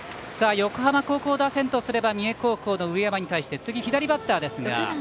横浜高校打線とすれば三重高校の上山に対して次、左バッターですが。